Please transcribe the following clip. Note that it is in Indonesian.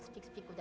jangan duduk aja